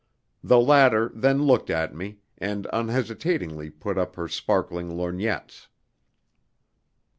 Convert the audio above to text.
The latter then looked at me, and unhesitatingly put up her sparkling lorgnettes.